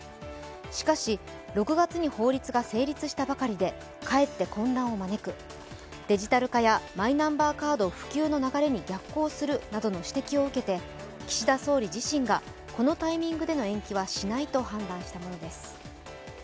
しかし、６月に法律が成立したばかりでかえって混乱を招く、デジタル化やマイナンバーカード普及の流れに逆行するなどの指摘を受けて岸田総理自身がこのタイミングでの延期はしないと判断したものです。